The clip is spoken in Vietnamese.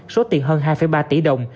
số tiền hơn hai ba tỷ đồng